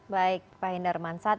baik pak hindar mansat